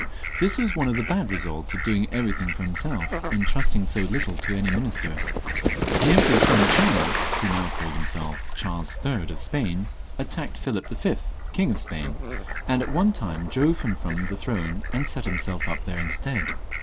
This was one of the bad results of doing everything for himself, and trusting so little to any minister. The Emperor's son Charles, who now called himself Charles III. of Spain, attacked Philip v., King of Spain, and at one time drove him from the throne and set himself up there instead.